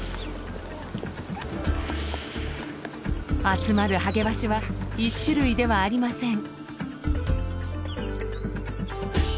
集まるハゲワシは１種類ではありません。